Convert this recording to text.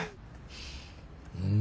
うん。